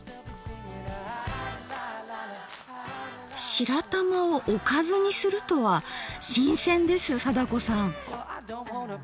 白玉をおかずにするとは新鮮です貞子さん。